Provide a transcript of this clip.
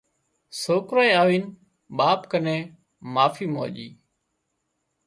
سوڪرانئي آوينَ ٻاپ ڪنين معافي مانڄي